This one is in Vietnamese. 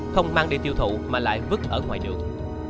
không mang đi tiêu thụ mà lại vứt ở ngoài đường